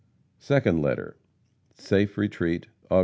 SECOND LETTER. SAFE RETREAT, Aug.